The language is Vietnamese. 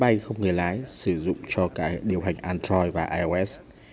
máy bay không người lái sử dụng cho cả điều hành android và ios